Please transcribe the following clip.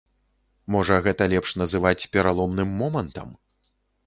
Можа, гэта лепш называць пераломным момантам?